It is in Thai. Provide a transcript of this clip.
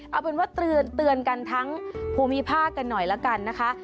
เอาเป็นว่าเตือนกันทั้งภูมิภาคกันหน่อยละกันนะคะ